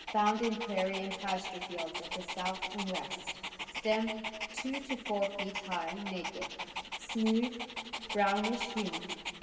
Found in prairie and pasture fields of the South and West. Stem two to four feet high— naked, smooth —brownish green.